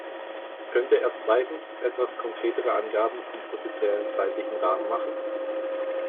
Könnte er zweitens etwas konkretere Angaben zum potenziellen zeitlichen Rahmen machen?